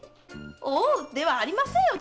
「おう」ではありませんよ。